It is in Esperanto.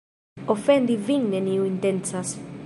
Ofendi vin neniu intencas.